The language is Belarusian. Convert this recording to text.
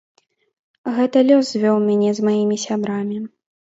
Гэта лёс звёў мяне з маімі сябрамі.